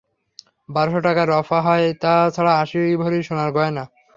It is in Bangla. বারোশো টাকায় রফা হয়, তা ছাড়া আশি ভরি সোনার গয়না।